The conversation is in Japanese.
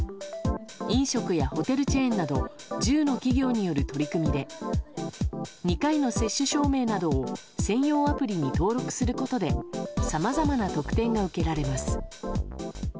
飲食やホテルチェーンなど１０の企業による取り組みで２回の接種証明などを専用アプリに登録することでさまざまな特典が受けられます。